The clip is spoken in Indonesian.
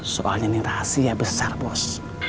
soalnya ini rahasia besar bos